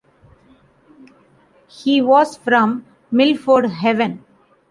He was from Milford Haven.